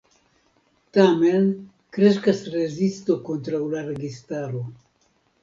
Tamen kreskas rezisto kontraŭ la registaro.